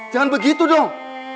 jangan begitu dong